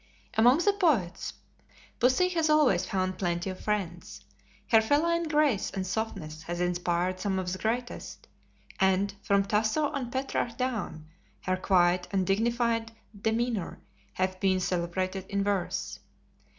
Among the poets, Pussy has always found plenty of friends. Her feline grace and softness has inspired some of the greatest, and, from Tasso and Petrarch down, her quiet and dignified demeanor have been celebrated in verse.